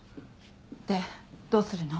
でどうするの？